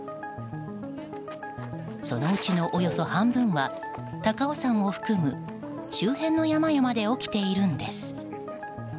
そのうちのおよそ半分は高尾山を含む周辺の山々で起きているんです。